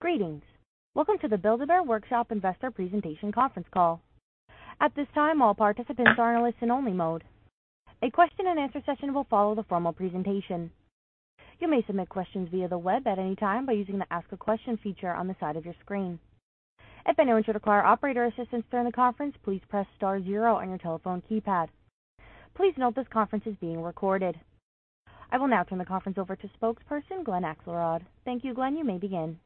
Greetings. Welcome to the Build-A-Bear Workshop Investor Presentation Conference Call. At this time, all participants are in listen only mode. A question and answer session will follow the formal presentation. You may submit questions via the web at any time by using the Ask a Question feature on the side of your screen. If anyone should require operator assistance during the conference, please press star zero on your telephone keypad. Please note this conference is being recorded. I will now turn the conference over to spokesperson Glenn Akselrod, Thank you, Glenn, you may begin.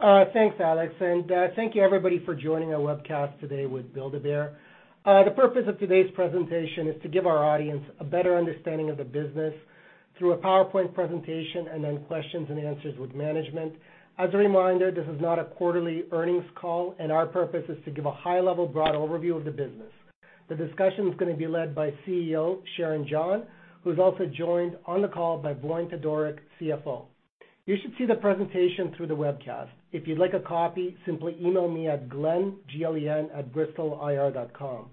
Thanks, and thank you everybody for joining our webcast today with Build-A-Bear. The purpose of today's presentation is to give our audience a better understanding of the business through a PowerPoint presentation and then questions and answers with management. As a reminder, this is not a quarterly earnings call, and our purpose is to give a high-level broad overview of the business. The discussion is gonna be led by CEO Sharon John, who's also joined on the call by Voin Todorovic, CFO. You should see the presentation through the webcast. If you'd like a copy, simply email me at glenn@bristolir.com.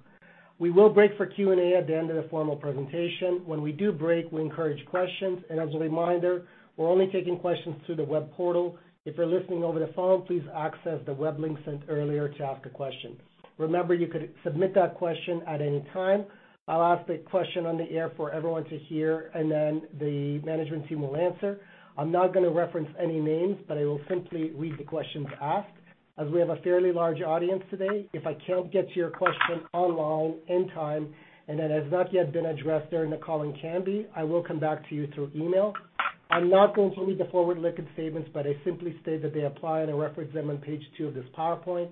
We will break for Q&A at the end of the formal presentation. When we do break, we encourage questions, and as a reminder, we're only taking questions through the web portal. If you're listening over the phone, please access the web link sent earlier to ask a question. Remember, you could submit that question at any time. I'll ask the question on the air for everyone to hear, and then the management team will answer. I'm not gonna reference any names, but I will simply read the questions asked. As we have a fairly large audience today, if I can't get to your question online in time and it has not yet been addressed during the call and can be, I will come back to you through email. I'm not going to read the forward-looking statements, but I simply state that they apply, and I reference them on page two of this PowerPoint.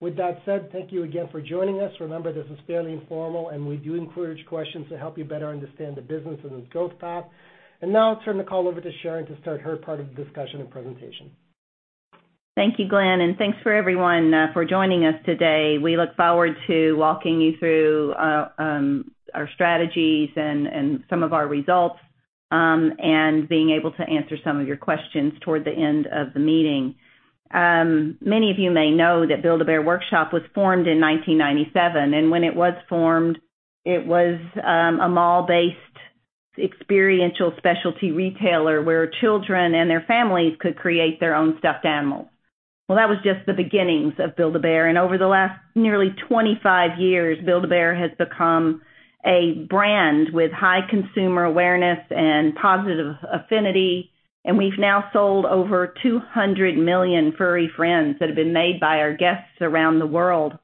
With that said, thank you again for joining us. Remember, this is fairly informal, and we do encourage questions to help you better understand the business and its growth path. Now I'll turn the call over to Sharon to start her part of the discussion and presentation. Thank you, Glenn, and thanks for everyone for joining us today. We look forward to walking you through our strategies and some of our results, and being able to answer some of your questions toward the end of the meeting. Many of you may know that Build-A-Bear Workshop was formed in 1997, and when it was formed, it was a mall-based experiential specialty retailer where children and their families could create their own stuffed animals. Well, that was just the beginnings of Build-A-Bear. Over the last nearly 25 years, Build-A-Bear has become a brand with high consumer awareness and positive affinity. We've now sold over 200 million furry friends that have been made by our guests around the world.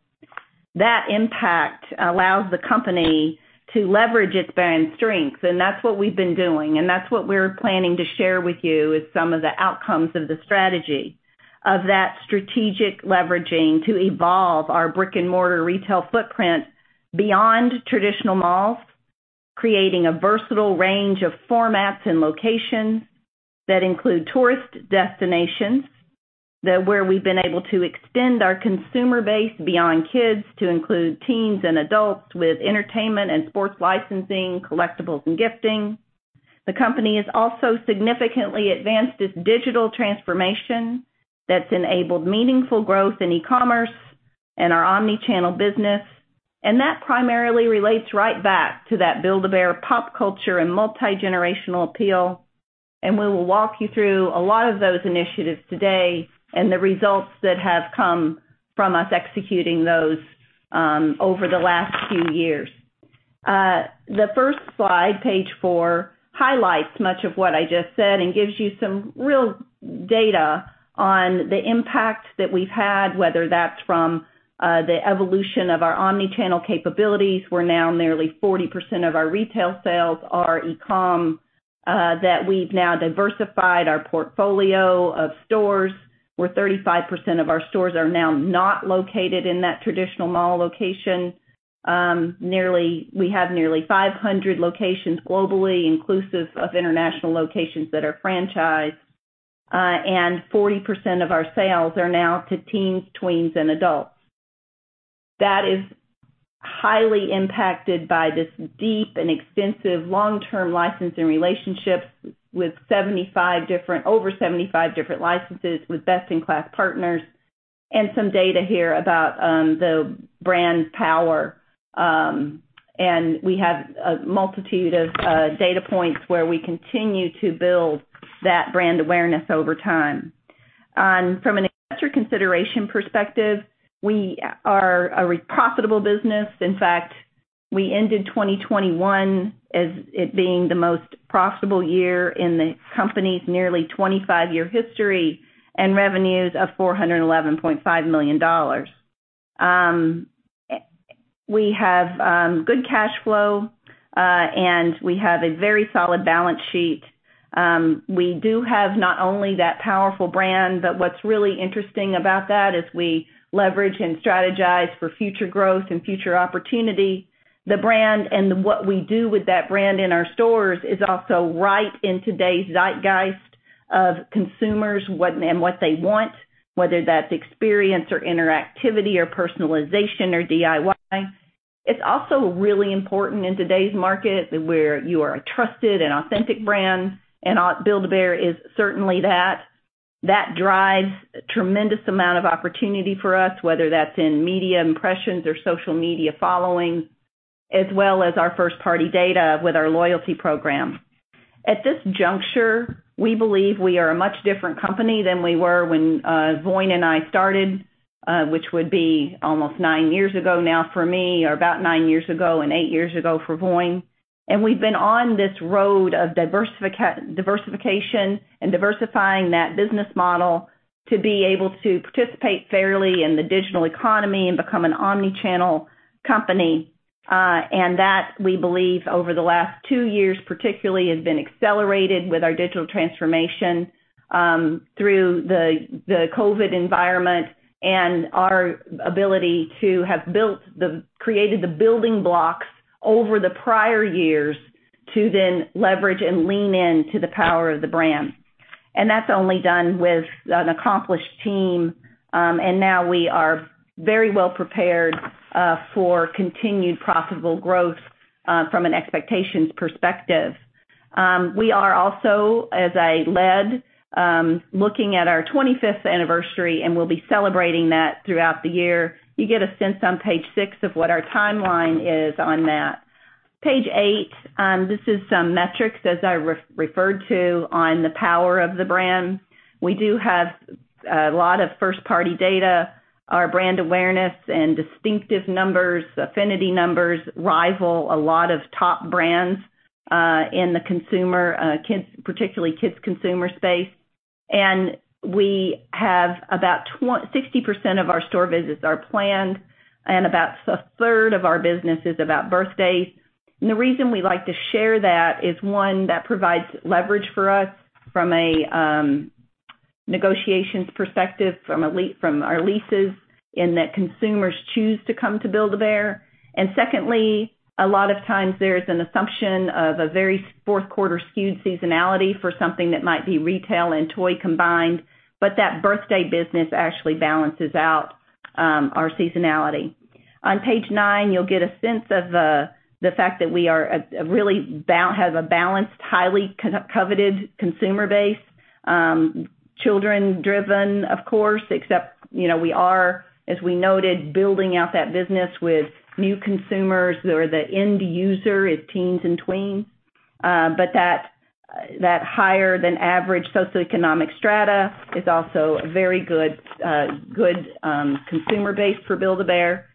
That impact allows the company to leverage its brand strength, and that's what we've been doing, and that's what we're planning to share with you is some of the outcomes of the strategy of that strategic leveraging to evolve our brick-and-mortar retail footprint beyond traditional malls, creating a versatile range of formats and locations that include tourist destinations, that where we've been able to extend our consumer base beyond kids to include teens and adults with entertainment and sports licensing, collectibles, and gifting. The company has also significantly advanced its digital transformation that's enabled meaningful growth in e-commerce and our omni-channel business. That primarily relates right back to that Build-A-Bear pop culture and multi-generational appeal. We will walk you through a lot of those initiatives today and the results that have come from us executing those over the last few years. The first slide, page four, highlights much of what I just said and gives you some real data on the impact that we've had, whether that's from the evolution of our omni-channel capabilities. We're now nearly 40% of our retail sales are e-com, that we've now diversified our portfolio of stores, where 35% of our stores are now not located in that traditional mall location. We have nearly 500 locations globally, inclusive of international locations that are franchised. And 40% of our sales are now to teens, tweens and adults. That is highly impacted by this deep and extensive long-term licensing relationships with 75 different-- over 75 different licenses with best-in-class partners, and some data here about the brand's power. We have a multitude of data points where we continue to build that brand awareness over time. From an investor consideration perspective, we are a profitable business. In fact, we ended 2021 as it being the most profitable year in the company's nearly 25-year history and revenues of $411.5 million. We have good cash flow, and we have a very solid balance sheet. We do have not only that powerful brand, but what's really interesting about that is we leverage and strategize for future growth and future opportunity. The brand and what we do with that brand in our stores is also right in today's zeitgeist of consumers, what they want, whether that's experience or interactivity or personalization or DIY. It's also really important in today's market where you are a trusted and authentic brand, and, Build-A-Bear is certainly that. That drives a tremendous amount of opportunity for us, whether that's in media impressions or social media followings. As well as our first-party data with our loyalty program. At this juncture, we believe we are a much different company than we were when, Voin and I started, which would be almost nine years ago now for me, or about nine years ago and eight years ago for Voin. We've been on this road of diversification and diversifying that business model to be able to participate fairly in the digital economy and become an omni-channel company. That, we believe over the last two years, particularly has been accelerated with our digital transformation, through the COVID environment and our ability to have created the building blocks over the prior years to then leverage and lean into the power of the brand. That's only done with an accomplished team. Now we are very well prepared for continued profitable growth from an expectations perspective. We are also, as I said, looking at our 25th anniversary, and we'll be celebrating that throughout the year. You get a sense on page six of what our timeline is on that. Page eight, this is some metrics, as I referred to, on the power of the brand. We do have a lot of first-party data. Our brand awareness and distinctive numbers, affinity numbers rival a lot of top brands in the consumer kids, particularly kids consumer space. We have about 20%-60% of our store visits are planned, and about a third of our business is about birthdays. The reason we like to share that is, one, that provides leverage for us from a negotiations perspective from our leases in that consumers choose to come to Build-A-Bear. Secondly, a lot of times there's an assumption of a very fourth quarter skewed seasonality for something that might be retail and toy combined. That birthday business actually balances out our seasonality. On page nine, you'll get a sense of the fact that we have a balanced, highly coveted consumer base. Children-driven, of course, except, you know, we are, as we noted, building out that business with new consumers or the end user is teens and tweens. That higher than average socioeconomic strata is also a very good consumer base for Build-A-Bear.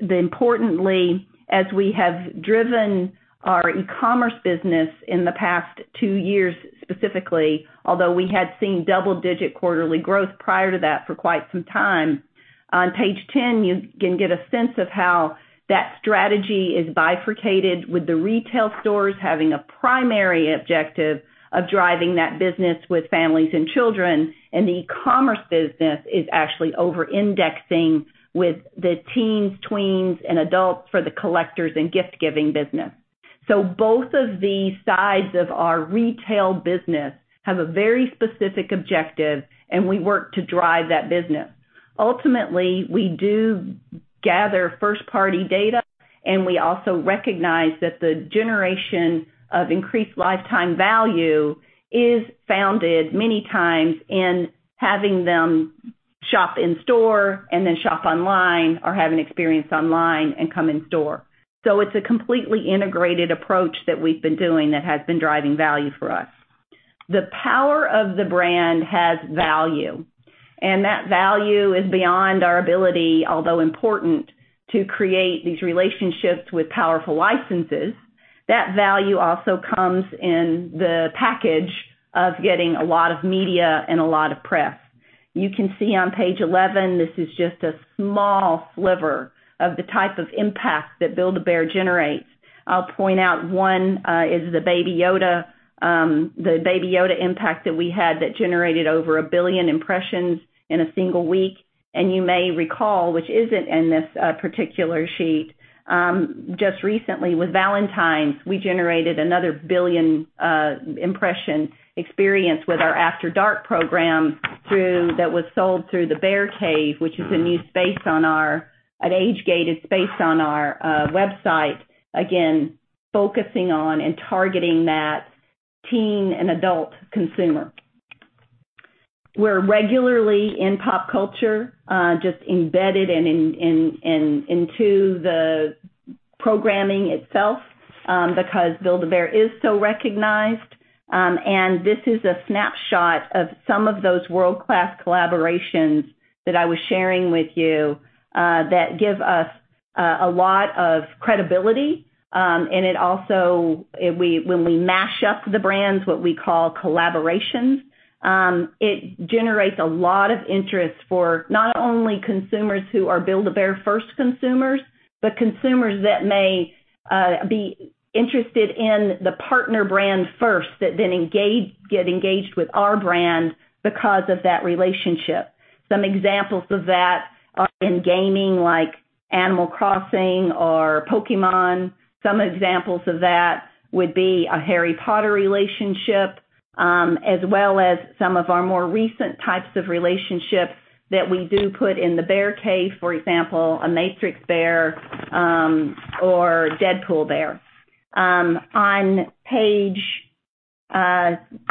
Importantly, as we have driven our e-commerce business in the past two years, specifically, although we had seen double-digit quarterly growth prior to that for quite some time. On page 10, you can get a sense of how that strategy is bifurcated, with the retail stores having a primary objective of driving that business with families and children, and the e-commerce business is actually over-indexing with the teens, tweens, and adults for the collectors and gift-giving business. Both of these sides of our retail business have a very specific objective, and we work to drive that business. Ultimately, we do gather first-party data, and we also recognize that the generation of increased lifetime value is founded many times in having them shop in store and then shop online or have an experience online and come in store. It's a completely integrated approach that we've been doing that has been driving value for us. The power of the brand has value, and that value is beyond our ability, although important, to create these relationships with powerful licenses. That value also comes in the package of getting a lot of media and a lot of press. You can see on page 11, this is just a small sliver of the type of impact that Build-A-Bear generates. I'll point out one, is the Baby Yoda impact that we had that generated over 1 billion impressions in a single week. You may recall, which isn't in this particular sheet, just recently with Valentine's, we generated another 1 billion impression experience with our After Dark program that was sold through The Bear Cave, which is a new space, an age-gated space, on our website. Again, focusing on and targeting that teen and adult consumer. We're regularly in pop culture, just embedded and into the programming itself, because Build-A-Bear is so recognized. This is a snapshot of some of those world-class collaborations that I was sharing with you, that give us a lot of credibility. It also. When we mash up the brands, what we call collaborations, it generates a lot of interest for not only consumers who are Build-A-Bear first consumers, but consumers that may be interested in the partner brand first, that then engage, get engaged with our brand because of that relationship. Some examples of that are in gaming like Animal Crossing or Pokémon. Some examples of that would be a Harry Potter relationship, as well as some of our more recent types of relationships that we do put in the Bear Cave, for example, a Matrix Bear or Deadpool Bear. On page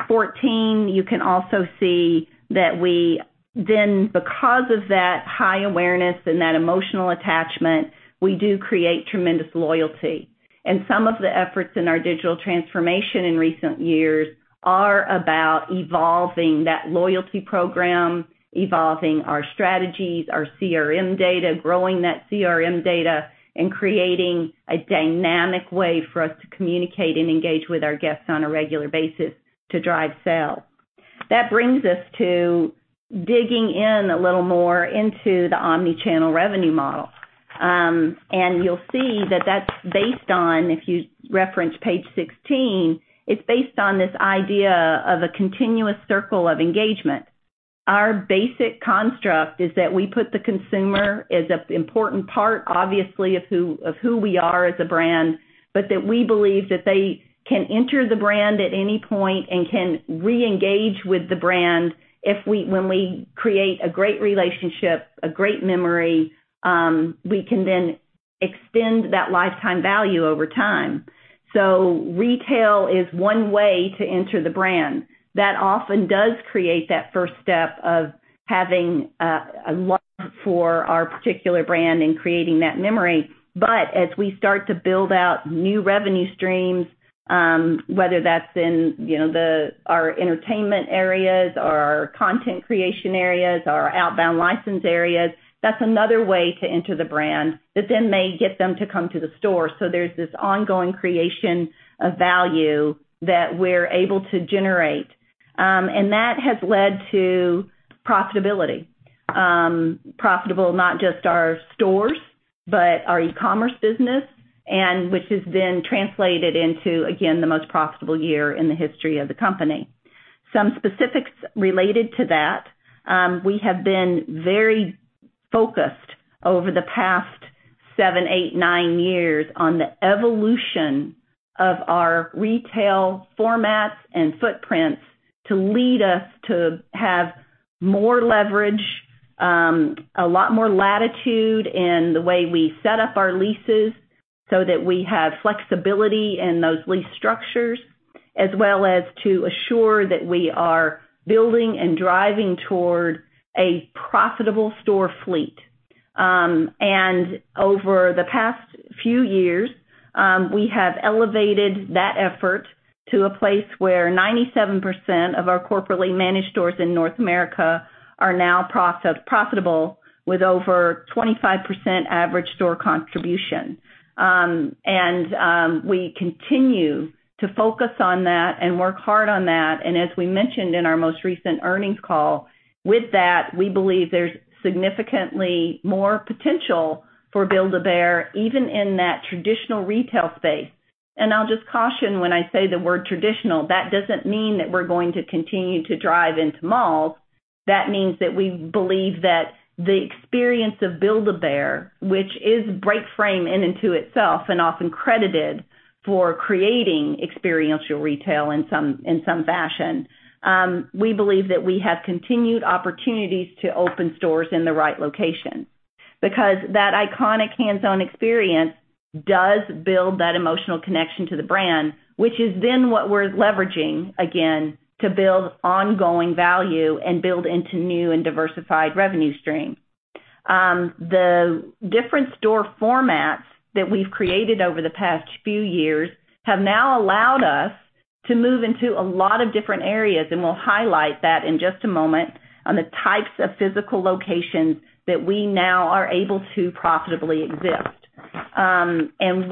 14, you can also see that we then, because of that high awareness and that emotional attachment, we do create tremendous loyalty. Some of the efforts in our digital transformation in recent years are about evolving that loyalty program, evolving our strategies, our CRM data, growing that CRM data, and creating a dynamic way for us to communicate and engage with our guests on a regular basis to drive sales. That brings us to digging in a little more into the omni-channel revenue model. You'll see that that's based on, if you reference page 16, it's based on this idea of a continuous circle of engagement. Our basic construct is that we put the consumer as an important part, obviously, of who we are as a brand, but that we believe that they can enter the brand at any point and can reengage with the brand. When we create a great relationship, a great memory, we can then extend that lifetime value over time. Retail is one way to enter the brand. That often does create that first step of having a love for our particular brand and creating that memory. As we start to build out new revenue streams, whether that's in, you know, our entertainment areas, our content creation areas, our outbound license areas, that's another way to enter the brand that then may get them to come to the store. There's this ongoing creation of value that we're able to generate. That has led to profitability. Profitable not just our stores, but our e-commerce business, and which has been translated into, again, the most profitable year in the history of the company. Some specifics related to that. We have been very focused over the past seven, eight, nine years on the evolution of our retail formats and footprints to lead us to have more leverage, a lot more latitude in the way we set up our leases so that we have flexibility in those lease structures, as well as to assure that we are building and driving toward a profitable store fleet. Over the past few years, we have elevated that effort to a place where 97% of our corporately managed stores in North America are now profitable with over 25% average store contribution. We continue to focus on that and work hard on that. As we mentioned in our most recent earnings call, with that, we believe there's significantly more potential for Build-A-Bear even in that traditional retail space. I'll just caution when I say the word traditional, that doesn't mean that we're going to continue to drive into malls. That means that we believe that the experience of Build-A-Bear, which is break from in and of itself and often credited for creating experiential retail in some fashion, we believe that we have continued opportunities to open stores in the right location. Because that iconic hands-on experience does build that emotional connection to the brand, which is then what we're leveraging, again, to build ongoing value and build into new and diversified revenue stream. The different store formats that we've created over the past few years have now allowed us to move into a lot of different areas, and we'll highlight that in just a moment on the types of physical locations that we now are able to profitably exist.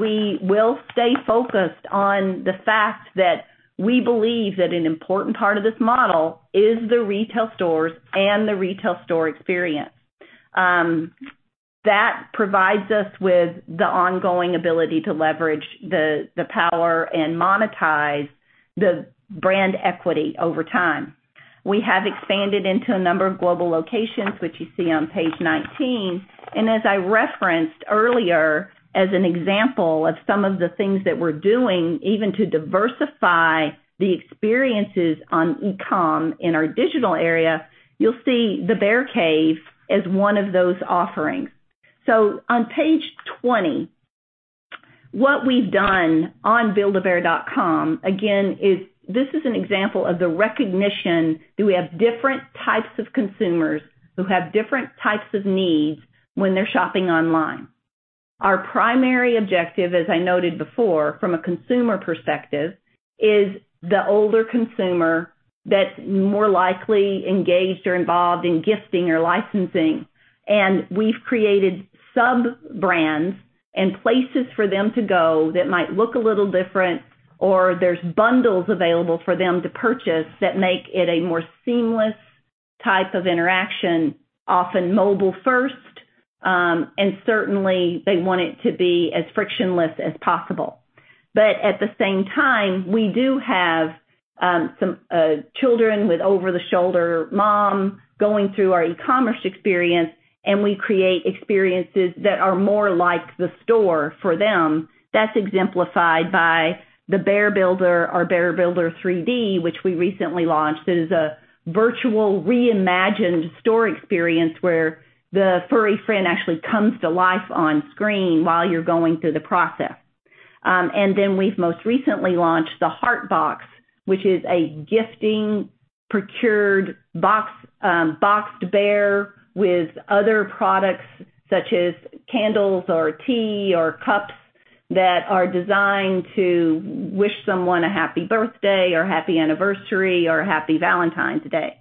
We will stay focused on the fact that we believe that an important part of this model is the retail stores and the retail store experience. That provides us with the ongoing ability to leverage the power and monetize the brand equity over time. We have expanded into a number of global locations, which you see on page 19. As I referenced earlier as an example of some of the things that we're doing even to diversify the experiences on e-com in our digital area, you'll see The Bear Cave as one of those offerings. On page 20, what we've done on buildabear.com, again, is this is an example of the recognition that we have different types of consumers who have different types of needs when they're shopping online. Our primary objective, as I noted before, from a consumer perspective, is the older consumer that's more likely engaged or involved in gifting or licensing. We've created sub-brands and places for them to go that might look a little different, or there's bundles available for them to purchase that make it a more seamless type of interaction, often mobile first, and certainly, they want it to be as frictionless as possible. At the same time, we do have some children with over-the-shoulder mom going through our e-commerce experience, and we create experiences that are more like the store for them. That's exemplified by the Bear Builder, our Bear Builder 3D, which we recently launched. It is a virtual reimagined store experience where the furry friend actually comes to life on screen while you're going through the process. We've most recently launched the HeartBox, which is a curated gifting box, boxed bear with other products such as candles or tea or cups that are designed to wish someone a happy birthday or happy anniversary or happy Valentine's Day.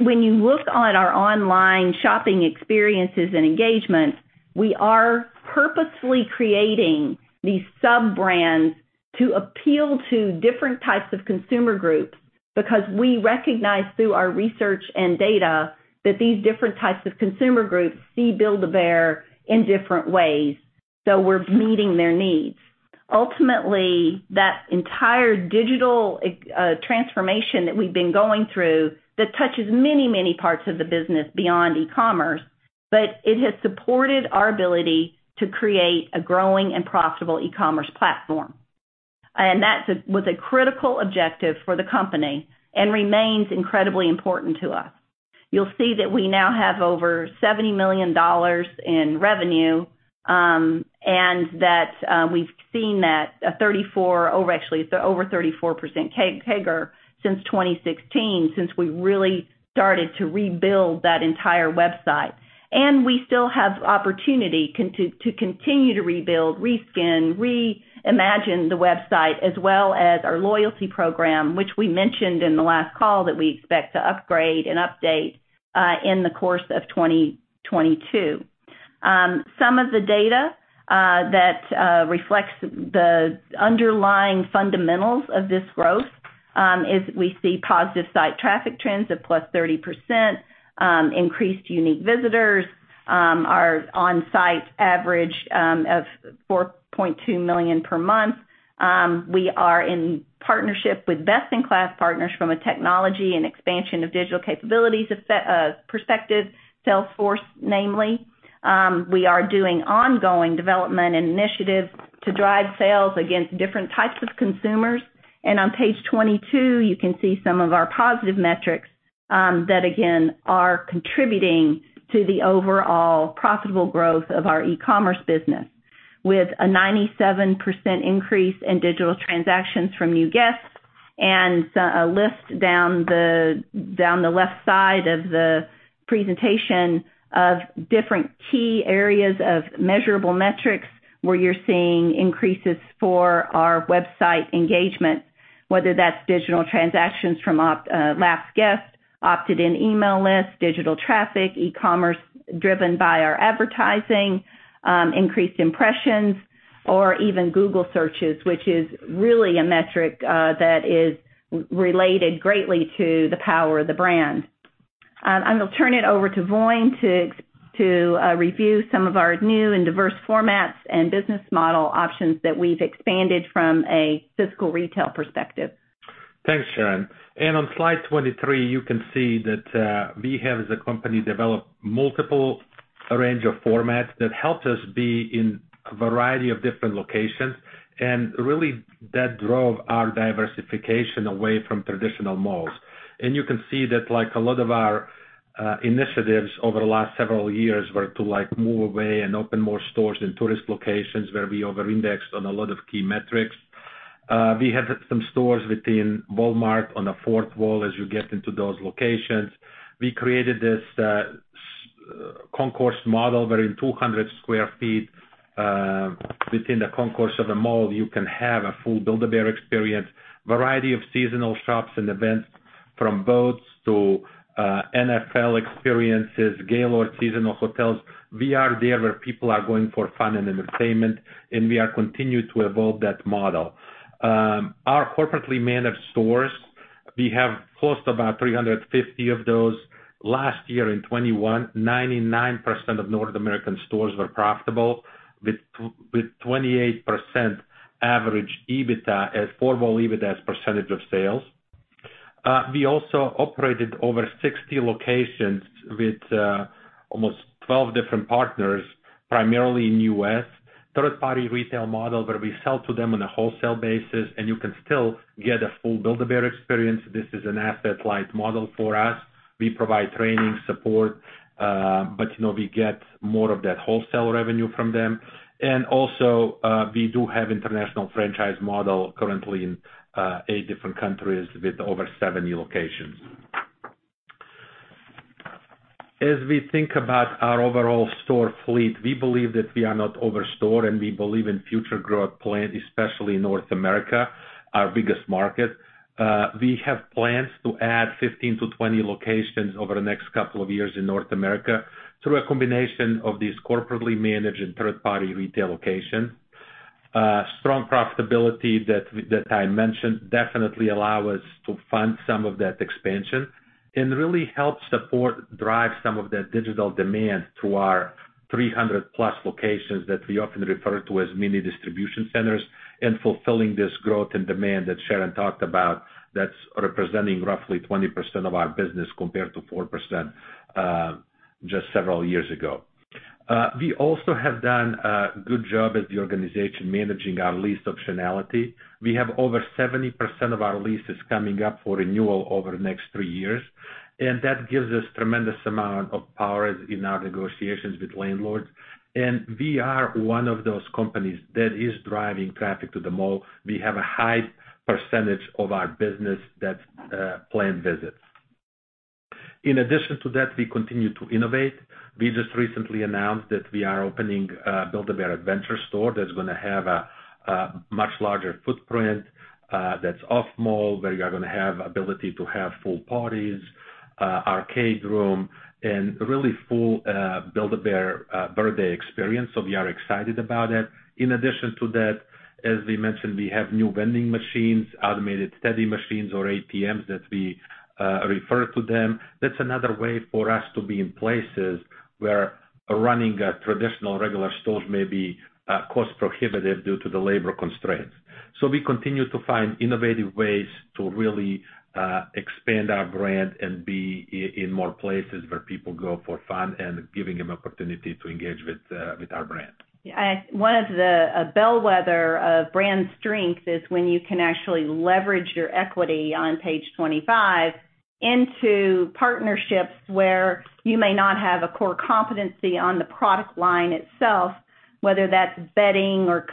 When you look on our online shopping experiences and engagement, we are purposefully creating these sub-brands to appeal to different types of consumer groups because we recognize through our research and data that these different types of consumer groups see Build-A-Bear in different ways, so we're meeting their needs. Ultimately, that entire digital transformation that we've been going through, that touches many parts of the business beyond e-commerce, but it has supported our ability to create a growing and profitable e-commerce platform. That's was a critical objective for the company and remains incredibly important to us. You'll see that we now have over $70 million in revenue, and that we've seen that over 34% CAGR since 2016 since we really started to rebuild that entire website. We still have opportunity continue to continue to rebuild, reskin, reimagine the website as well as our loyalty program, which we mentioned in the last call that we expect to upgrade and update in the course of 2022. Some of the data that reflects the underlying fundamentals of this growth is we see positive site traffic trends of +30%, increased unique visitors, our on-site average of 4.2 million per month. We are in partnership with best-in-class partners from a technology and expansion of digital capabilities perspective, namely Salesforce. We are doing ongoing development and initiatives to drive sales against different types of consumers. On page 22, you can see some of our positive metrics that again are contributing to the overall profitable growth of our e-commerce business. With a 97% increase in digital transactions from new guests and a list down the left side of the presentation of different key areas of measurable metrics where you're seeing increases for our website engagement, whether that's digital transactions from lapsed guests, opted-in email lists, digital traffic, e-commerce driven by our advertising, increased impressions, or even Google searches, which is really a metric that is related greatly to the power of the brand. I'm gonna turn it over to Voin to review some of our new and diverse formats and business model options that we've expanded from a physical retail perspective. Thanks, Sharon. On slide 23, you can see that we have as a company developed multiple range of formats that helped us be in a variety of different locations, and really that drove our diversification away from traditional malls. You can see that like a lot of our initiatives over the last several years were to like move away and open more stores in tourist locations where we over-indexed on a lot of key metrics. We have some stores within Walmart on the fourth wall as you get into those locations. We created this concourse model, where in 200 sq ft within the concourse of the mall, you can have a full Build-A-Bear experience, variety of seasonal shops and events from boats to NFL experiences, Gaylord Hotels. We are there where people are going for fun and entertainment, and we are continued to evolve that model. Our corporately managed stores, we have close to about 350 of those. Last year in 2021, 99% of North American stores were profitable with 28% average EBITDA, for mall EBITDA as percentage of sales. We also operated over 60 locations with almost 12 different partners, primarily in U.S. Third-party retail model, where we sell to them on a wholesale basis, and you can still get a full Build-A-Bear experience. This is an asset-light model for us. We provide training, support, but, you know, we get more of that wholesale revenue from them. We do have international franchise model currently in eight different countries with over 70 locations. As we think about our overall store fleet, we believe that we are not over-stored, and we believe in future growth plan, especially in North America, our biggest market. We have plans to add 15-20 locations over the next couple of years in North America through a combination of these corporately managed and third-party retail locations. Strong profitability that I mentioned definitely allow us to fund some of that expansion and really help support drive some of that digital demand to our 300+ locations that we often refer to as mini distribution centers and fulfilling this growth and demand that Sharon talked about that's representing roughly 20% of our business compared to 4%, just several years ago. We also have done a good job as the organization managing our lease optionality. We have over 70% of our leases coming up for renewal over the next three years, and that gives us tremendous amount of power in our negotiations with landlords. We are one of those companies that is driving traffic to the mall. We have a high percentage of our business that plan visits. In addition to that, we continue to innovate. We just recently announced that we are opening a Build-A-Bear Adventure store that's gonna have a much larger footprint, that's off-mall, where you are gonna have ability to have full parties, arcade room, and really full Build-A-Bear birthday experience. We are excited about it. In addition to that, as we mentioned, we have new vending machines, automated teddy machines or ATMs, as we refer to them. That's another way for us to be in places where running a traditional regular stores may be cost prohibitive due to the labor constraints. We continue to find innovative ways to really expand our brand and be in more places where people go for fun and giving them opportunity to engage with our brand. Yeah. One of the bellwether of brand strength is when you can actually leverage your equity on page 25 into partnerships where you may not have a core competency on the product line itself, whether that's bedding or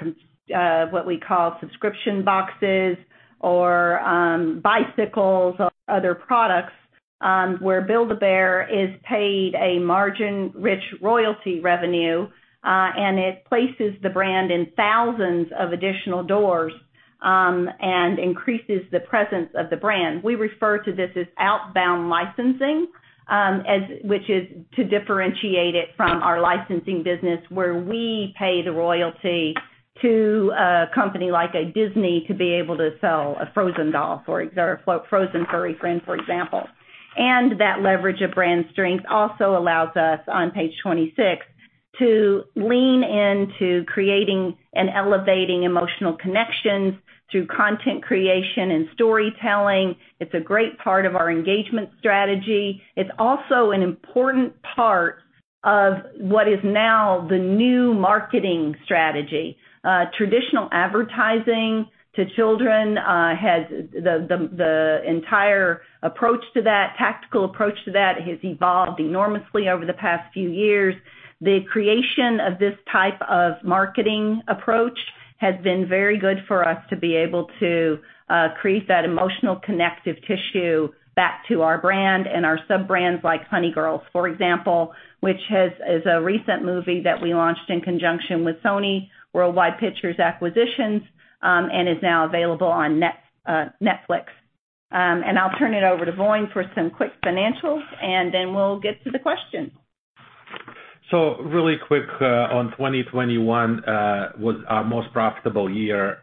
what we call subscription boxes or bicycles or other products, where Build-A-Bear is paid a margin-rich royalty revenue, and it places the brand in thousands of additional doors, and increases the presence of the brand. We refer to this as outbound licensing, as which is to differentiate it from our licensing business, where we pay the royalty to a company like a Disney to be able to sell a Frozen doll or a Frozen furry friend, for example. That leverage of brand strength also allows us, on page 26, to lean into creating and elevating emotional connections through content creation and storytelling. It's a great part of our engagement strategy. It's also an important part of what is now the new marketing strategy. Traditional advertising to children has the entire approach to that, tactical approach to that has evolved enormously over the past few years. The creation of this type of marketing approach has been very good for us to be able to create that emotional connective tissue back to our brand and our sub-brands like Honey Girls, for example, which is a recent movie that we launched in conjunction with Sony Pictures Worldwide Acquisitions, and is now available on Netflix. I'll turn it over to Voin Todorovic for some quick financials, and then we'll get to the questions. Really quick, on 2021 was our most profitable year,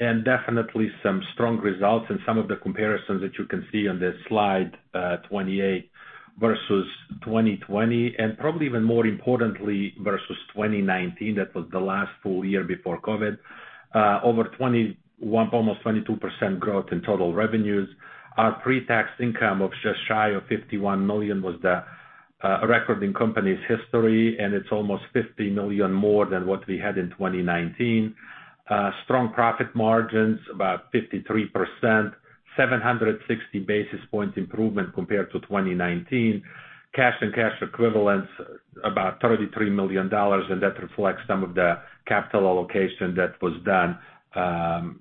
and definitely some strong results in some of the comparisons that you can see on this slide, 2021 versus 2020, and probably even more importantly versus 2019. That was the last full year before COVID. Over 21, almost 22% growth in total revenues. Our pre-tax income of just shy of $51 million was the record in company's history, and it's almost $50 million more than what we had in 2019. Strong profit margins, about 53%, 760 basis point improvement compared to 2019. Cash and cash equivalents, about $33 million, and that reflects some of the capital allocation that was done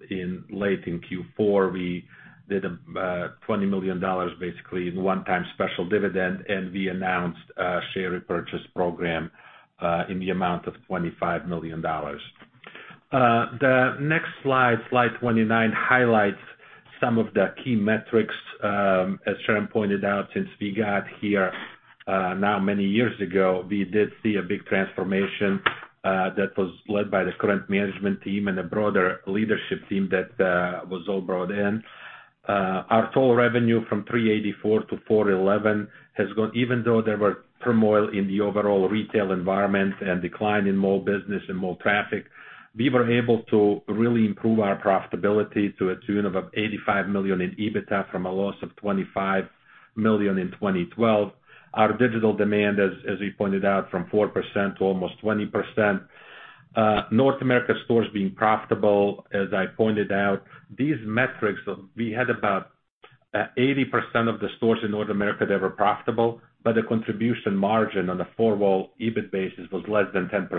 in late in Q4. We did $20 million, basically one-time special dividend, and we announced a share repurchase program in the amount of $25 million. The next slide 29, highlights some of the key metrics, as Sharon pointed out, since we got here now many years ago. We did see a big transformation that was led by the current management team and a broader leadership team that was all brought in. Our total revenue from 384 to 411 has gone even though there were turmoil in the overall retail environment and decline in mall business and mall traffic, we were able to really improve our profitability to a tune of $85 million in EBITDA from a loss of $25 million in 2012. Our digital demand, as we pointed out, from 4% to almost 20%. North America stores being profitable, as I pointed out. These metrics, we had about 80% of the stores in North America that were profitable, but the contribution margin on the four-wall EBIT basis was less than 10%.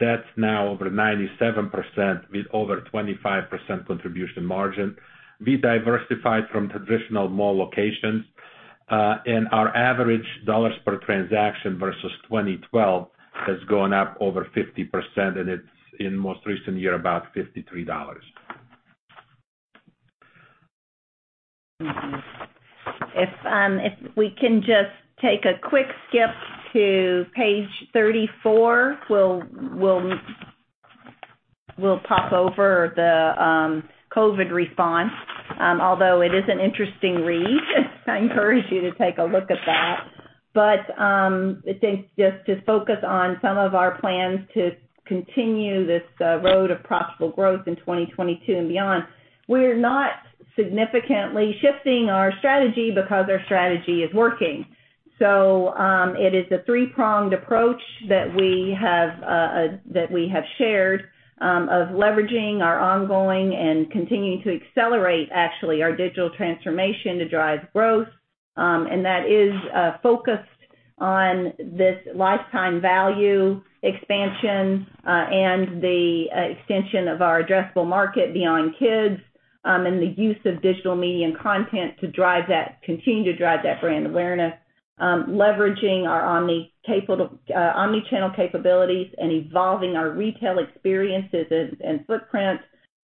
That's now over 97% with over 25% contribution margin. We diversified from traditional mall locations, and our average dollars per transaction versus 2012 has gone up over 50%, and it's in most recent year, about $53. If we can just take a quick skip to page 34, we'll pop over the COVID response. Although it is an interesting read, I encourage you to take a look at that. But I think just to focus on some of our plans to continue this road of profitable growth in 2022 and beyond, we're not significantly shifting our strategy because our strategy is working. It is a three-pronged approach that we have shared of leveraging our ongoing and continuing to accelerate actually our digital transformation to drive growth. And that is focused on this lifetime value expansion and the extension of our addressable market beyond kids and the use of digital media and content to drive that, continue to drive that brand awareness. Leveraging our omni-channel capabilities and evolving our retail experiences and footprint.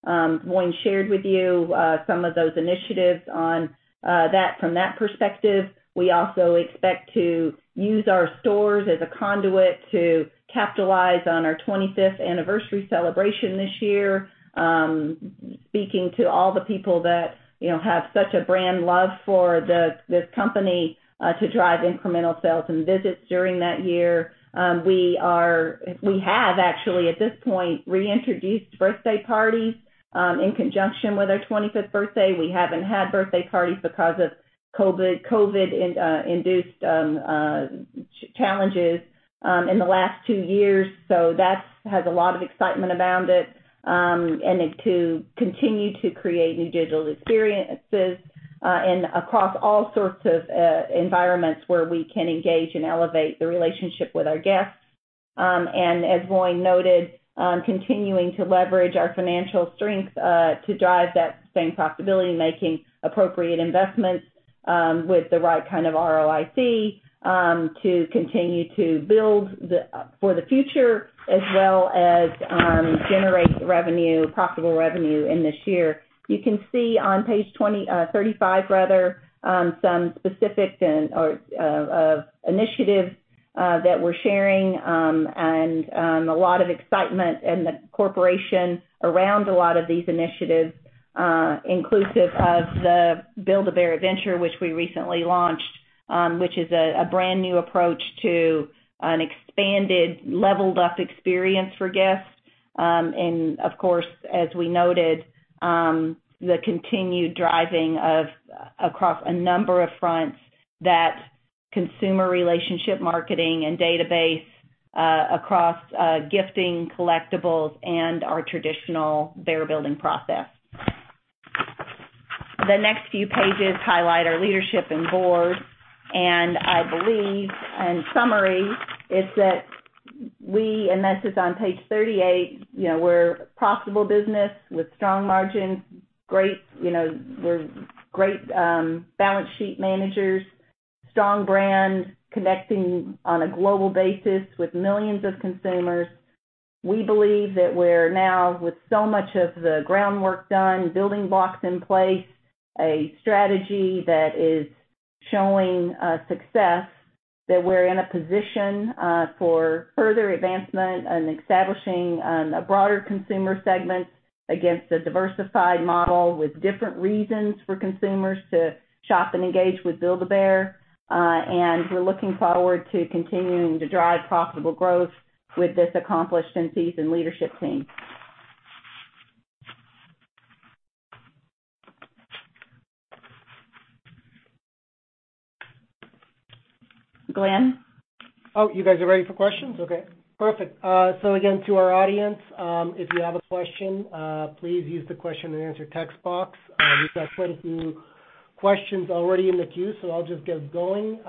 Voin Todorovic shared with you some of those initiatives on that from that perspective. We also expect to use our stores as a conduit to capitalize on our 25th anniversary celebration this year. Speaking to all the people that, you know, have such a brand love for this company to drive incremental sales and visits during that year. We have actually at this point reintroduced birthday parties in conjunction with our 25th birthday. We haven't had birthday parties because of COVID-induced challenges in the last two years. That has a lot of excitement around it. To continue to create new digital experiences and across all sorts of environments where we can engage and elevate the relationship with our guests. As Voin Todorovic noted, continuing to leverage our financial strength to drive that same profitability making appropriate investments with the right kind of ROIC to continue to build for the future as well as generate revenue, profitable revenue in this year. You can see on page 20, 35 rather, some specifics and/or initiatives that we're sharing, a lot of excitement in the corporation around a lot of these initiatives, inclusive of the Build-A-Bear Adventure, which we recently launched, which is a brand new approach to an expanded leveled up experience for guests. Of course, as we noted, the continued driving across a number of fronts that consumer relationship marketing and database across gifting collectibles and our traditional bear building process. The next few pages highlight our leadership and board. I believe in summary is that we, and this is on page 38, you know, we're a profitable business with strong margins, great balance sheet managers. Strong brand connecting on a global basis with millions of consumers. We believe that we're now with so much of the groundwork done, building blocks in place, a strategy that is showing success, that we're in a position for further advancement and establishing a broader consumer segment against a diversified model with different reasons for consumers to shop and engage with Build-A-Bear. We're looking forward to continuing to drive profitable growth with this accomplished and seasoned leadership team. Glenn? Oh, you guys are ready for questions? Okay, perfect. Again, to our audience, if you have a question, please use the question and answer text box. We've got quite a few questions already in the queue, so I'll just get going.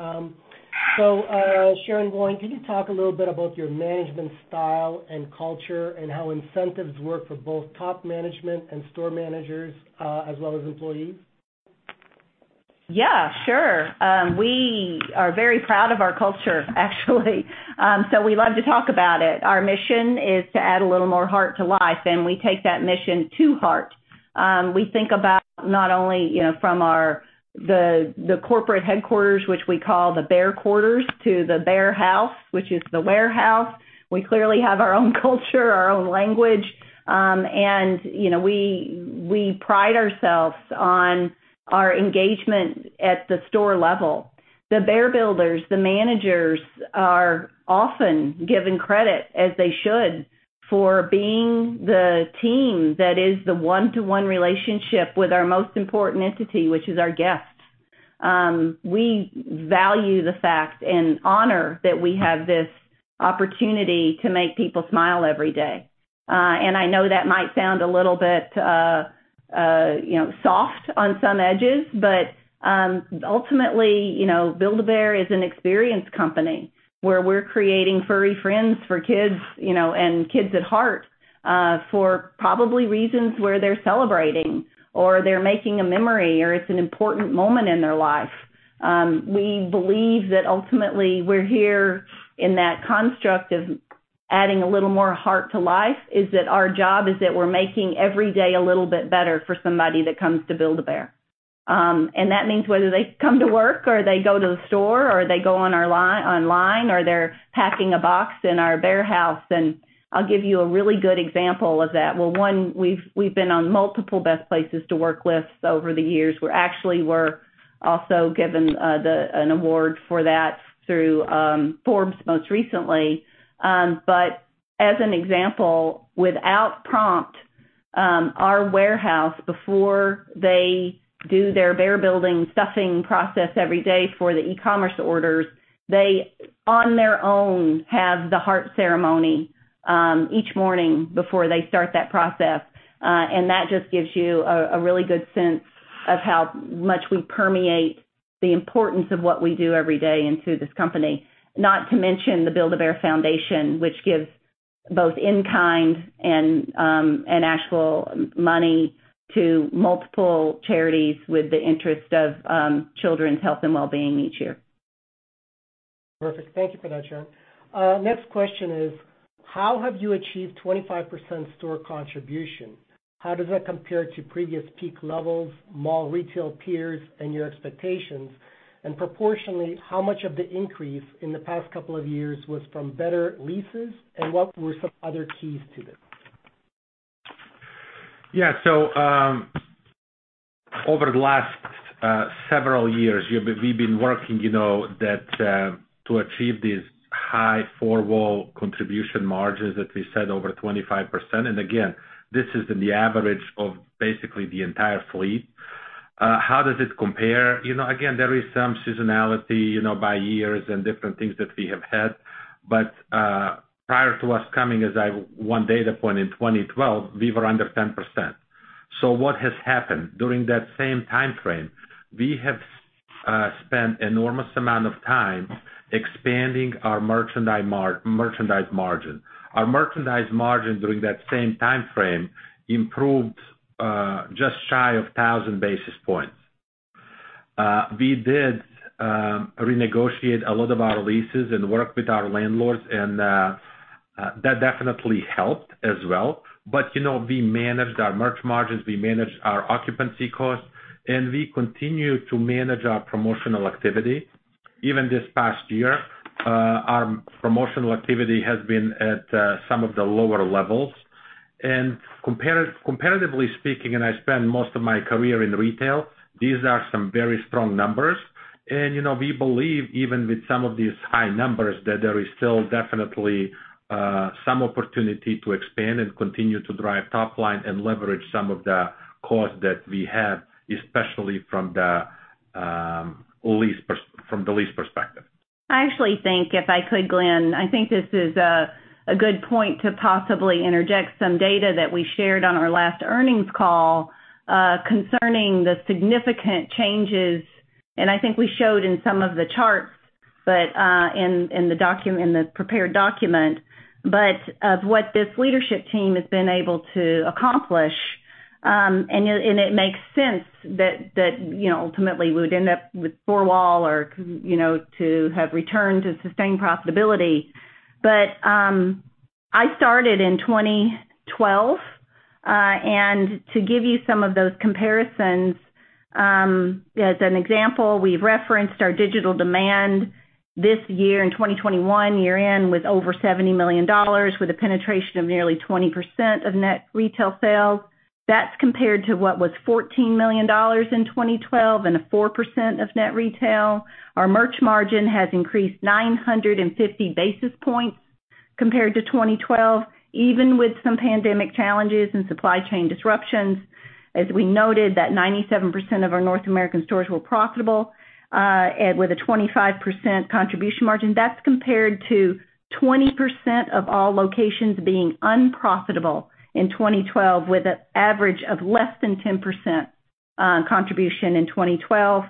Sharon, Voin, can you talk a little bit about your management style and culture and how incentives work for both top management and store managers, as well as employees? Yeah, sure. We are very proud of our culture, actually. We love to talk about it. Our mission is to add a little more heart to life, and we take that mission to heart. We think about not only, you know, from our corporate headquarters, which we call the Bear Quarters, to the Bear House, which is the warehouse. We clearly have our own culture, our own language. You know, we pride ourselves on our engagement at the store level. The Bear Builders, the managers are often given credit as they should for being the team that is the one-to-one relationship with our most important entity, which is our guests. We value the fact and honor that we have this opportunity to make people smile every day. I know that might sound a little bit, you know, soft on some edges, but, ultimately, you know, Build-A-Bear is an experience company, where we're creating furry friends for kids, you know, and kids at heart, for probably reasons where they're celebrating or they're making a memory or it's an important moment in their life. We believe that ultimately we're here in that construct of adding a little more heart to life, is that our job is that we're making every day a little bit better for somebody that comes to Build-A-Bear. That means whether they come to work or they go to the store or they go on our online or they're packing a box in our bear house. I'll give you a really good example of that. Well, one, we've been on multiple best places to work lists over the years. We actually were also given an award for that through Forbes most recently. But as an example, without prompting, our warehouse, before they do their bear building stuffing process every day for the e-commerce orders, they, on their own, have the heart ceremony each morning before they start that process. That just gives you a really good sense of how much we permeate the importance of what we do every day into this company. Not to mention the Build-A-Bear Foundation, which gives both in-kind and actual money to multiple charities with the interest of children's health and wellbeing each year. Perfect. Thank you for that, Sharon. Next question is, how have you achieved 25% store contribution? How does that compare to previous peak levels, mall retail peers, and your expectations? Proportionally, how much of the increase in the past couple of years was from better leases, and what were some other keys to this? Yeah, over the last several years, we've been working, you know, that to achieve these high four-wall contribution margins that we said, over 25%. Again, this is in the average of basically the entire fleet. How does it compare? You know, again, there is some seasonality, you know, by years and different things that we have had. Prior to us coming, as I... One data point in 2012, we were under 10%. What has happened? During that same timeframe, we have spent enormous amount of time expanding our merchandise margin. Our merchandise margin during that same timeframe improved just shy of 1,000 basis points. We did renegotiate a lot of our leases and work with our landlords, and that definitely helped as well. You know, we managed our merch margins, we managed our occupancy costs, and we continue to manage our promotional activity. Even this past year, our promotional activity has been at some of the lower levels. Comparatively speaking, I spent most of my career in retail. These are some very strong numbers. you know, we believe even with some of these high numbers that there is still definitely some opportunity to expand and continue to drive top line and leverage some of the costs that we have, especially from the lease perspective. I actually think, if I could, Glenn, I think this is a good point to possibly interject some data that we shared on our last earnings call, concerning the significant changes, and I think we showed in some of the charts, but in the prepared document of what this leadership team has been able to accomplish, and it makes sense that you know, ultimately we would end up with four-wall, you know, to have returned to sustained profitability. I started in 2012, and to give you some of those comparisons, as an example, we've referenced our digital demand this year in 2021, year-end with over $70 million with a penetration of nearly 20% of net retail sales. That's compared to what was $14 million in 2012 and 4% of net retail. Our merch margin has increased 950 basis points compared to 2012, even with some pandemic challenges and supply chain disruptions. As we noted that 97% of our North American stores were profitable and with a 25% contribution margin. That's compared to 20% of all locations being unprofitable in 2012, with an average of less than 10% contribution in 2012.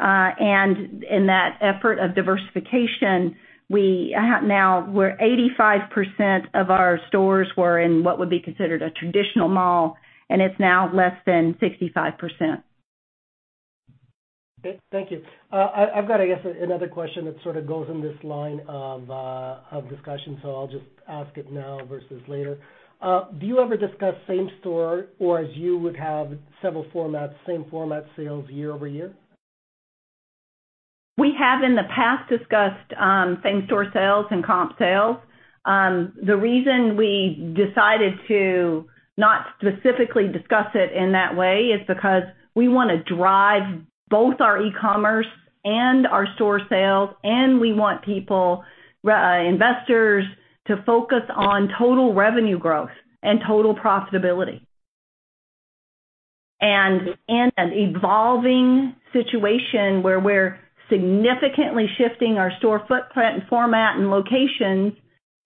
In that effort of diversification, 85% of our stores were in what would be considered a traditional mall, and it's now less than 65%. Okay. Thank you. I've got, I guess, another question that sort of goes in this line of discussion, so I'll just ask it now versus later. Do you ever discuss same store, or as you would have several formats, same format sales year over year? We have in the past discussed same store sales and comp sales. The reason we decided to not specifically discuss it in that way is because we wanna drive both our e-commerce and our store sales, and we want people, investors to focus on total revenue growth and total profitability. In an evolving situation where we're significantly shifting our store footprint and format and locations,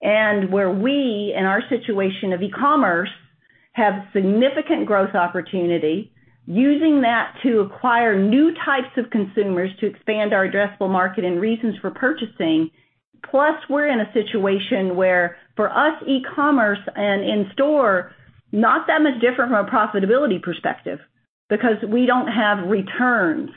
and where we, in our situation of e-commerce, have significant growth opportunity, using that to acquire new types of consumers to expand our addressable market and reasons for purchasing. Plus, we're in a situation where for us, e-commerce and in store, not that much different from a profitability perspective because we don't have returns,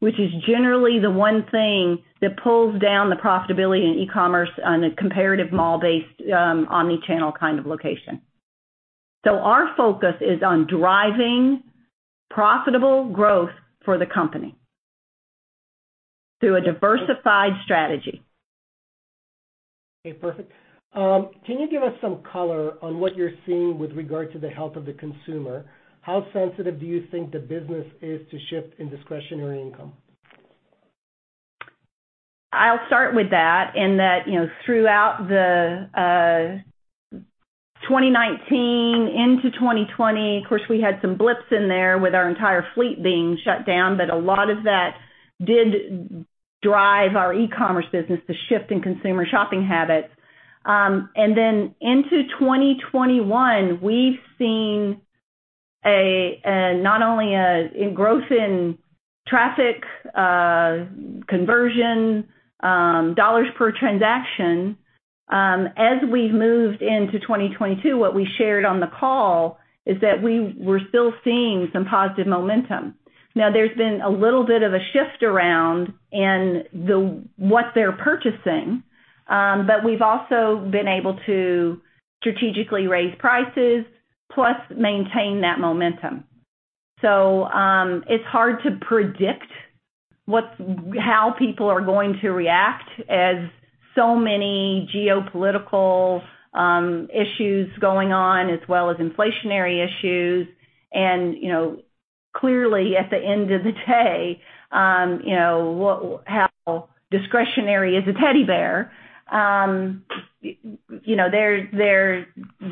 which is generally the one thing that pulls down the profitability in e-commerce on a comparative mall-based, omni-channel kind of location. Our focus is on driving profitable growth for the company through a diversified strategy. Okay, perfect. Can you give us some color on what you're seeing with regard to the health of the consumer? How sensitive do you think the business is to shift in discretionary income? I'll start with that, you know, throughout 2019 into 2020, of course, we had some blips in there with our entire fleet being shut down, but a lot of that did drive our e-commerce business, the shift in consumer shopping habits. Then into 2021, we've seen not only an increase in traffic, conversion, dollars per transaction. As we've moved into 2022, what we shared on the call is that we're still seeing some positive momentum. Now, there's been a little bit of a shift around in what they're purchasing, but we've also been able to strategically raise prices plus maintain that momentum. It's hard to predict how people are going to react as so many geopolitical issues going on, as well as inflationary issues. You know, clearly at the end of the day, you know, how discretionary is a teddy bear? You know,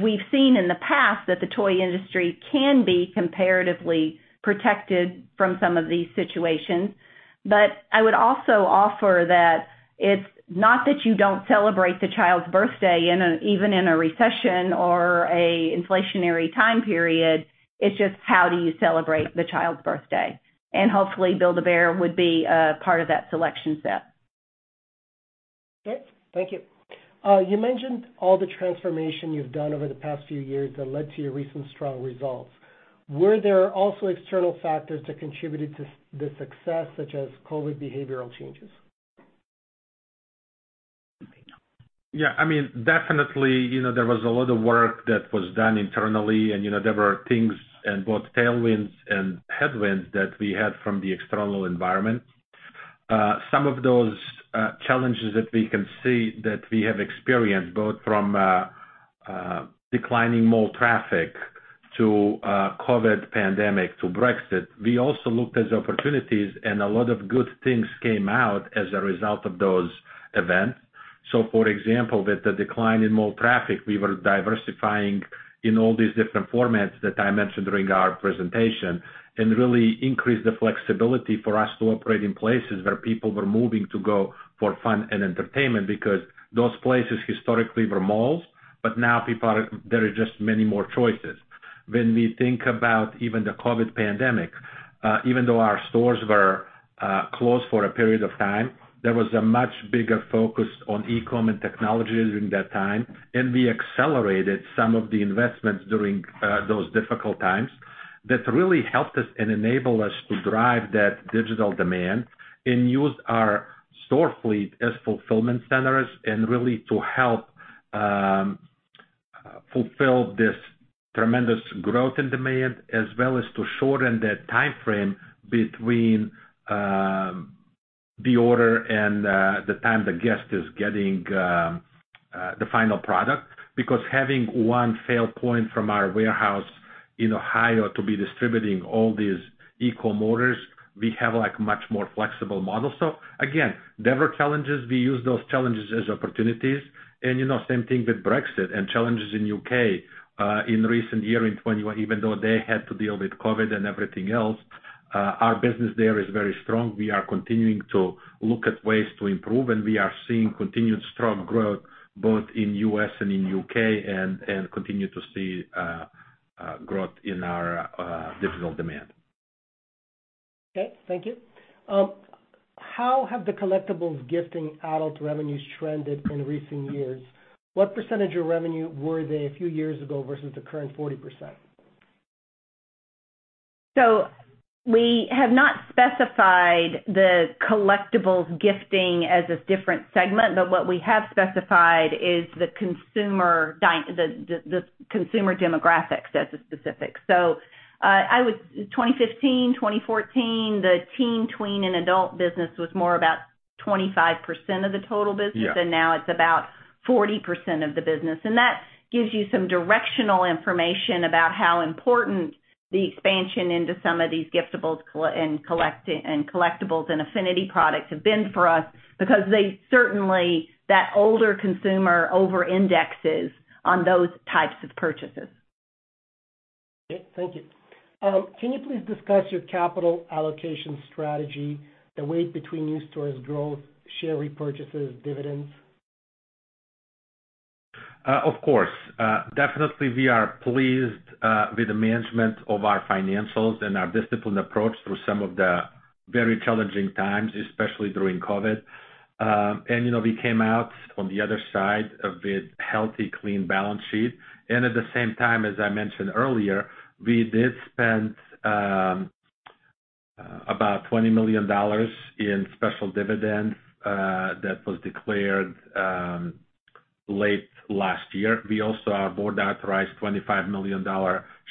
we've seen in the past that the toy industry can be comparatively protected from some of these situations. I would also offer that it's not that you don't celebrate the child's birthday even in a recession or an inflationary time period. It's just how do you celebrate the child's birthday? Hopefully, Build-A-Bear would be part of that selection set. Okay. Thank you. You mentioned all the transformation you've done over the past few years that led to your recent strong results. Were there also external factors that contributed to the success such as COVID behavioral changes? Yeah, I mean, definitely, you know, there was a lot of work that was done internally, and, you know, there were things and both tailwinds and headwinds that we had from the external environment. Some of those challenges that we can see that we have experienced, both from declining mall traffic to COVID pandemic to Brexit, we also looked as opportunities and a lot of good things came out as a result of those events. For example, with the decline in mall traffic, we were diversifying in all these different formats that I mentioned during our presentation and really increased the flexibility for us to operate in places where people were moving to go for fun and entertainment because those places historically were malls, but now there are just many more choices. When we think about even the COVID pandemic, even though our stores were closed for a period of time, there was a much bigger focus on e-com and technology during that time. We accelerated some of the investments during those difficult times. That really helped us and enabled us to drive that digital demand and use our store fleet as fulfillment centers and really to help fulfill this tremendous growth and demand, as well as to shorten the timeframe between the order and the time the guest is getting the final product. Because having one fail point from our warehouse in Ohio to be distributing all these e-commerce orders, we have, like, a much more flexible model. Again, there were challenges. We used those challenges as opportunities. You know, same thing with Brexit and challenges in U.K., in recent year, in 2021, even though they had to deal with COVID and everything else, our business there is very strong. We are continuing to look at ways to improve, and we are seeing continued strong growth both in U.S. and in U.K. and continue to see growth in our digital demand. Okay. Thank you. How have the collectibles gifting adult revenues trended in recent years? What percentage of revenue were they a few years ago versus the current 40%? We have not specified the collectibles gifting as a different segment, but what we have specified is the consumer demographics as a specific. 2015, 2014, the teen, tween, and adult business was more about 25% of the total business. Yeah. Now it's about 40% of the business. That gives you some directional information about how important the expansion into some of these giftables and collectibles and affinity products have been for us because they certainly, that older consumer over-indexes on those types of purchases. Okay. Thank you. Can you please discuss your capital allocation strategy, the weight between new stores growth, share repurchases, dividends? Of course. Definitely we are pleased with the management of our financials and our disciplined approach through some of the very challenging times, especially during COVID. You know, we came out on the other side with healthy, clean balance sheet. At the same time, as I mentioned earlier, we did spend about $20 million in special dividends that was declared late last year. Our board authorized $25 million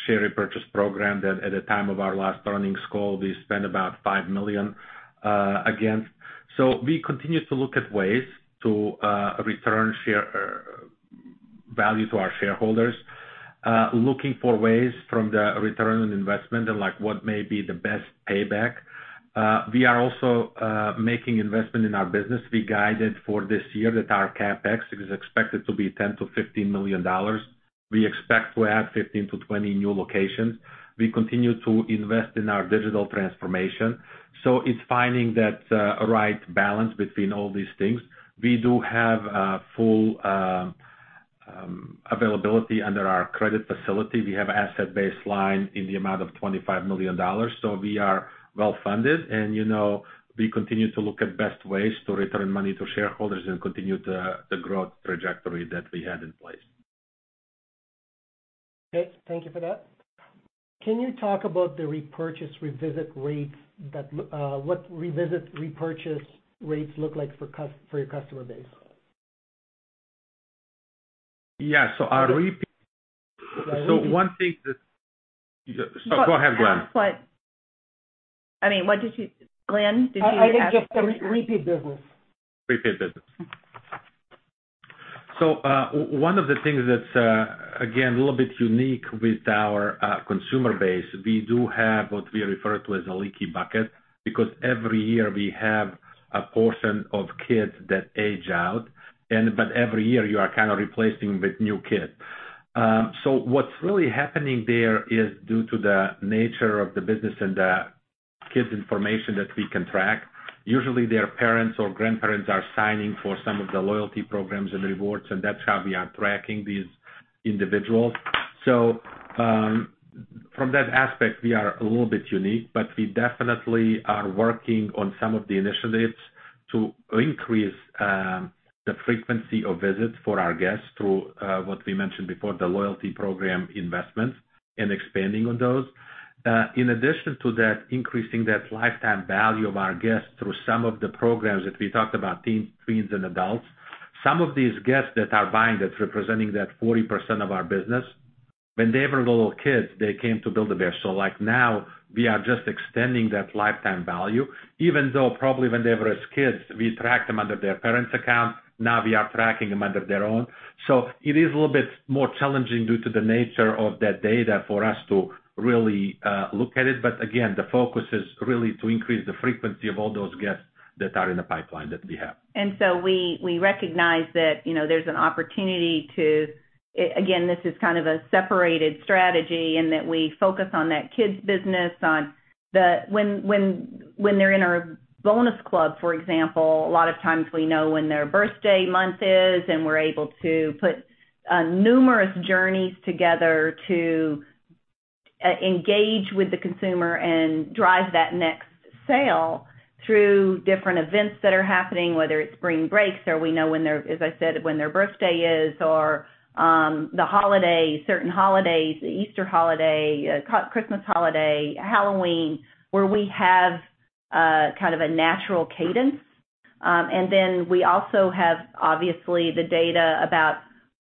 share repurchase program that at the time of our last earnings call, we spent about $5 million against. We continue to look at ways to return share value to our shareholders, looking for ways from the return on investment and like what may be the best payback. We are also making investment in our business. We guided for this year that our CapEx is expected to be $10 million-$15 million. We expect to add 15-20 new locations. We continue to invest in our digital transformation. It's finding that right balance between all these things. We do have a full availability under our credit facility. We have asset-based line in the amount of $25 million. We are well-funded, and you know, we continue to look at best ways to return money to shareholders and continue the growth trajectory that we had in place. Okay. Thank you for that. Can you talk about the repurchase revisit rates, what revisit repurchase rates look like for your customer base? Yeah. Our repe- The- Go ahead, Glenn. I mean, Glenn, did you ask- I think just the repeat business. Repeat business. One of the things that's again a little bit unique with our consumer base, we do have what we refer to as a leaky bucket, because every year we have a portion of kids that age out, but every year you are kind of replacing with new kids. What's really happening there is due to the nature of the business and the kids information that we can track, usually their parents or grandparents are signing for some of the loyalty programs and rewards, and that's how we are tracking these individuals. From that aspect, we are a little bit unique, but we definitely are working on some of the initiatives to increase the frequency of visits for our guests through what we mentioned before, the loyalty program investments and expanding on those. In addition to that, increasing that lifetime value of our guests through some of the programs that we talked about, teens, tweens, and adults. Some of these guests that are buying, that's representing that 40% of our business, when they were little kids, they came to Build-A-Bear. Like now we are just extending that lifetime value. Even though probably when they were as kids, we tracked them under their parent's account, now we are tracking them under their own. It is a little bit more challenging due to the nature of that data for us to really look at it. But again, the focus is really to increase the frequency of all those guests that are in the pipeline that we have. We recognize that, you know, there's an opportunity to. Again, this is kind of a separate strategy in that we focus on that kids business. When they're in our Bonus Club, for example, a lot of times we know when their birthday month is, and we're able to put numerous journeys together to engage with the consumer and drive that next sale through different events that are happening, whether it's spring breaks or we know when their, as I said, when their birthday is or the holiday, certain holidays, the Easter holiday, Christmas holiday, Halloween, where we have kind of a natural cadence. Then we also have obviously the data about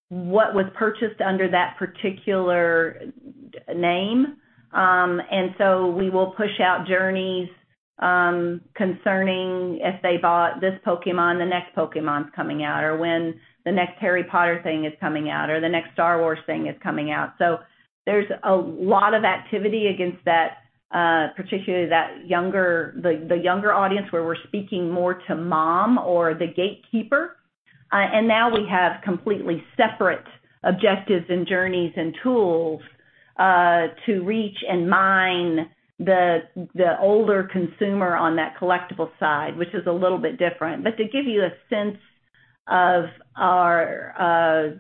what was purchased under that particular name. We will push out journeys concerning if they bought this Pokémon, the next Pokémon's coming out, or when the next Harry Potter thing is coming out, or the next Star Wars thing is coming out. There's a lot of activity against that, particularly the younger audience, where we're speaking more to mom or the gatekeeper. Now we have completely separate objectives and journeys and tools to reach and mine the older consumer on that collectible side, which is a little bit different. To give you a sense of our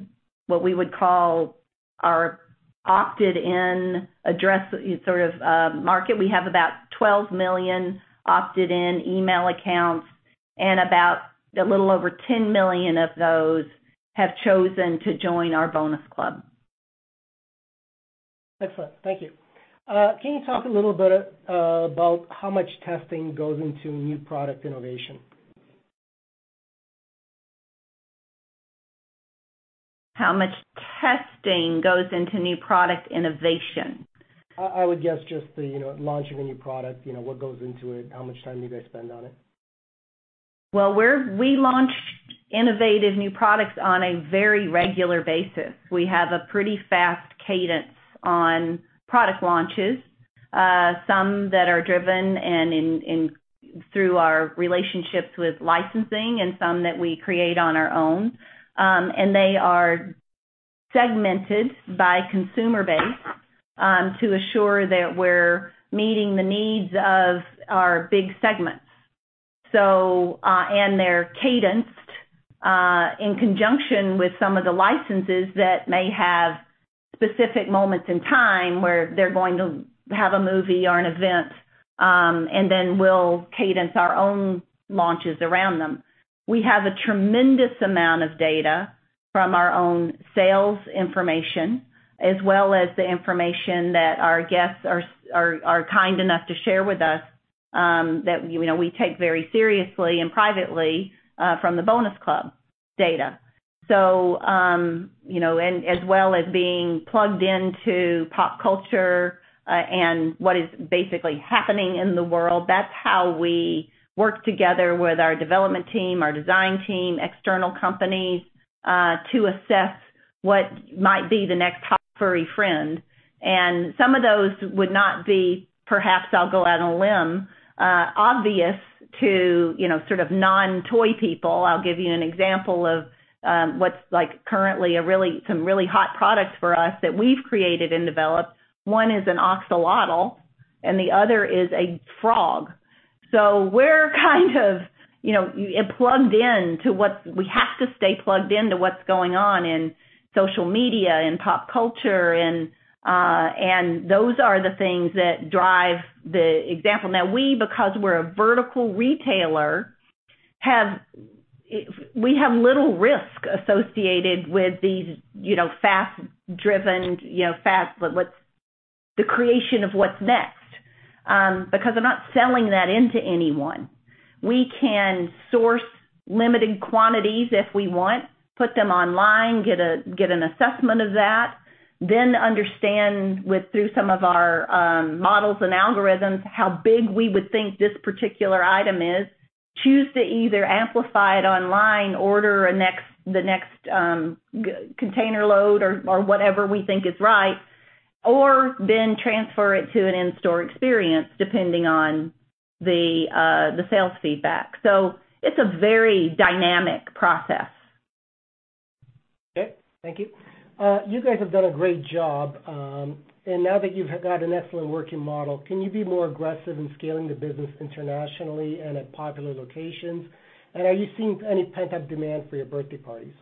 what we would call our opted-in address sort of market, we have about 12 million opted-in email accounts and about a little over 10 million of those have chosen to join our Bonus Club. Excellent. Thank you. Can you talk a little bit about how much testing goes into new product innovation? How much testing goes into new product innovation? I would guess just the, you know, launching a new product, you know, what goes into it, how much time you guys spend on it. Well, we launch innovative new products on a very regular basis. We have a pretty fast cadence on product launches, some that are driven and in through our relationships with licensing and some that we create on our own. They're segmented by consumer base to assure that we're meeting the needs of our big segments. They're cadenced in conjunction with some of the licenses that may have specific moments in time where they're going to have a movie or an event, and then we'll cadence our own launches around them. We have a tremendous amount of data from our own sales information, as well as the information that our guests are kind enough to share with us, that you know we take very seriously and privately from the Bonus Club data. You know, as well as being plugged into pop culture and what is basically happening in the world, that's how we work together with our development team, our design team, external companies to assess what might be the next pop furry friend. Some of those would not be perhaps. I'll go out on a limb, obvious to you know sort of non-toy people. I'll give you an example of some really hot products for us that we've created and developed. One is an axolotl, and the other is a frog. We're plugged in to what's going on in social media and pop culture, and those are the things that drive the example. Now, we, because we're a vertical retailer, have little risk associated with these fast-driven creation of what's next, because I'm not selling that into anyone. We can source limited quantities if we want, put them online, get an assessment of that, then understand through some of our models and algorithms, how big we would think this particular item is, choose to either amplify it online, order the next full container load or whatever we think is right, or then transfer it to an in-store experience, depending on the sales feedback. It's a very dynamic process. Okay, thank you. You guys have done a great job, and now that you've got an excellent working model, can you be more aggressive in scaling the business internationally and at popular locations? Are you seeing any pent-up demand for your birthday parties?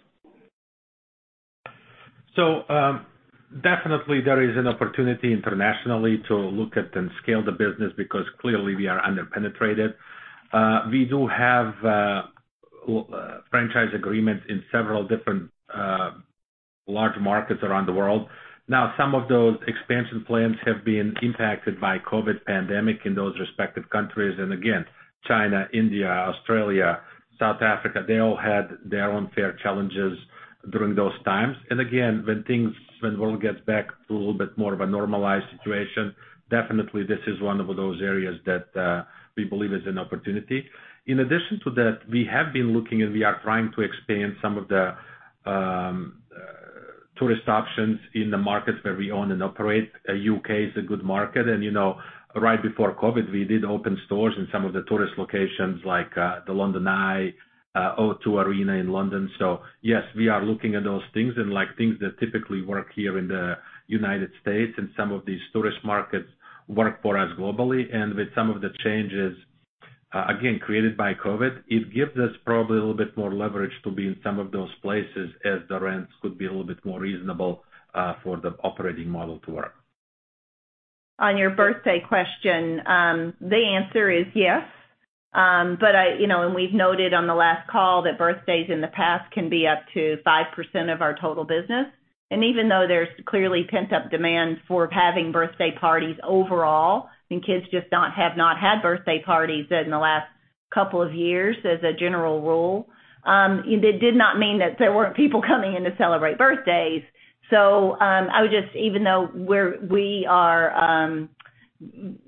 Definitely there is an opportunity internationally to look at and scale the business because clearly we are under-penetrated. We do have franchise agreements in several different large markets around the world. Now, some of those expansion plans have been impacted by COVID pandemic in those respective countries. China, India, Australia, South Africa, they all had their own fair challenges during those times. When the world gets back to a little bit more of a normalized situation, definitely this is one of those areas that we believe is an opportunity. In addition to that, we have been looking, and we are trying to expand some of the tourist options in the markets where we own and operate. U.K. is a good market. You know, right before COVID, we did open stores in some of the tourist locations like the London Eye, O2 Arena in London. Yes, we are looking at those things and like things that typically work here in the United States and some of these tourist markets work for us globally. With some of the changes, again, created by COVID, it gives us probably a little bit more leverage to be in some of those places as the rents could be a little bit more reasonable for the operating model to work. On your birthday question, the answer is yes. But I, you know, we've noted on the last call that birthdays in the past can be up to 5% of our total business. Even though there's clearly pent-up demand for having birthday parties overall, and kids have not had birthday parties in the last couple of years as a general rule, it did not mean that there weren't people coming in to celebrate birthdays. I would just even though we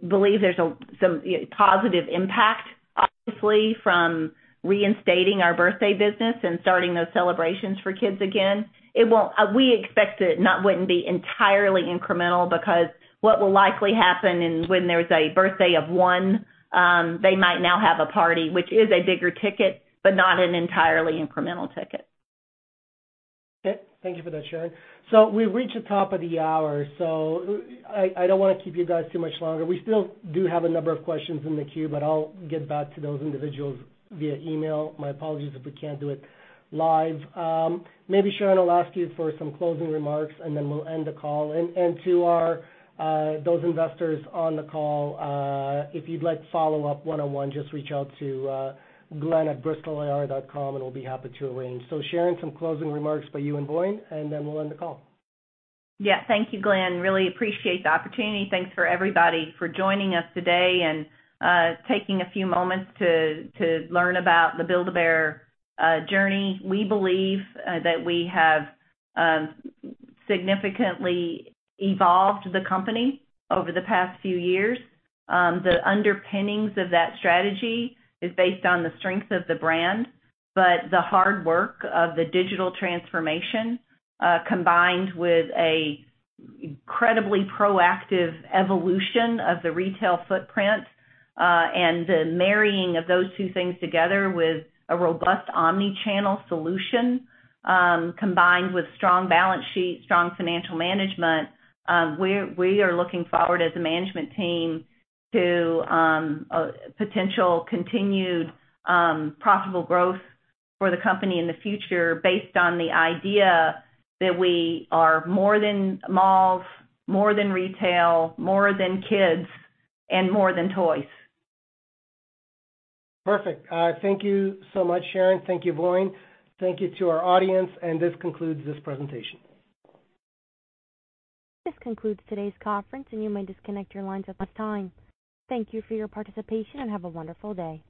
believe there's some positive impact, obviously, from reinstating our birthday business and starting those celebrations for kids again, it won't. We expect it wouldn't be entirely incremental because what will likely happen is when there's a birthday for one, they might now have a party, which is a bigger ticket, but not an entirely incremental ticket. Okay. Thank you for that, Sharon. We've reached the top of the hour, so I don't wanna keep you guys too much longer. We still do have a number of questions in the queue, but I'll get back to those individuals via email. My apologies if we can't do it live. Maybe, Sharon, I'll ask you for some closing remarks, and then we'll end the call. To those investors on the call, if you'd like follow up one-on-one, just reach out to glen@bristolir.com, and we'll be happy to arrange. Sharon, some closing remarks by you and Voin, and then we'll end the call. Yeah. Thank you, Glen. Really appreciate the opportunity. Thanks for everybody for joining us today and taking a few moments to learn about the Build-A-Bear journey. We believe that we have significantly evolved the company over the past few years. The underpinnings of that strategy is based on the strength of the brand, but the hard work of the digital transformation combined with a incredibly proactive evolution of the retail footprint and the marrying of those two things together with a robust omni-channel solution combined with strong balance sheet, strong financial management, we are looking forward as a management team to a potential continued profitable growth for the company in the future based on the idea that we are more than malls, more than retail, more than kids, and more than toys. Perfect. Thank you so much, Sharon. Thank you, Voin. Thank you to our audience, and this concludes this presentation. This concludes today's conference, and you may disconnect your lines at this time. Thank you for your participation, and have a wonderful day.